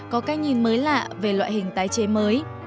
có cách nhìn mới lạ về loại hình tái chế mới